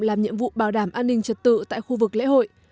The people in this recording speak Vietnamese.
làm nhiệm vụ bảo đảm an ninh trật tự tại khu vực lễ hội